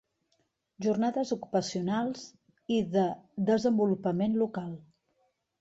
Jornades ocupacionals i de desenvolupament local.